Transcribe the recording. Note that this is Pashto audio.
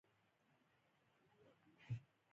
د دې پوځ یوه برخه غاړې ته رسېدلي.